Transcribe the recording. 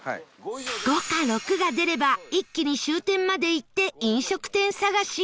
「５」か「６」が出れば一気に終点まで行って飲食店探し